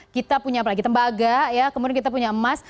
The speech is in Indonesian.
kita punya tembaga kemudian kita punya emas